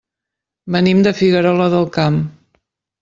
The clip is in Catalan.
Venim de Figuerola del Camp.